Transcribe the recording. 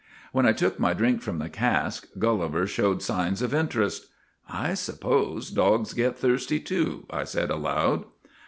When I took my drink from the cask, Gulliver showed signs of interest. ' I suppose dogs get thirsty, too/ I said aloud.